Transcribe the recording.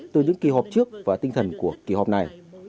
từ những kỳ hợp trước và tinh thần của kỳ hợp này